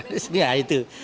nyaris tanpa naskah